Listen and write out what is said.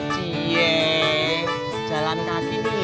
cie jalan kaki diek